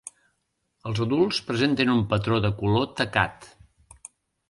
Els adults presenten un patró de color tacat.